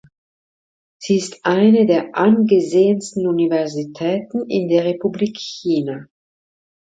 Sie ist eine der angesehensten Universitäten in der Republik China.